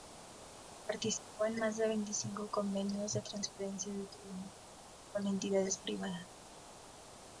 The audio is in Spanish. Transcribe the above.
Participó en más de veinticinco convenios de transferencia de tecnología con entidades privadas.